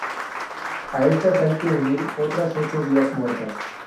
A estas hay que unir otras ocho vías muertas.